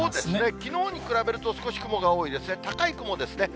きのうに比べると、少し雲が多いですね、高い雲ですね。